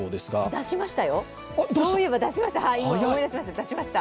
出しました。